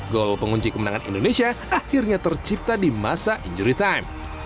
gol pengunci kemenangan indonesia akhirnya tercipta di masa injury time